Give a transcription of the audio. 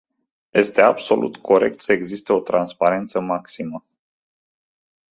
Este absolut corect să existe o transparență maximă.